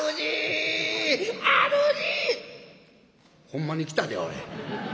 「ほんまに来たでおい。